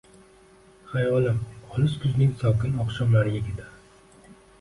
…Xayolim olis kuzning sokin oqshomlariga ketadi…